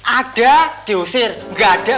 ada diusir gak ada